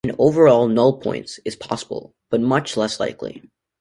An overall "nul points" is possible, but much less likely.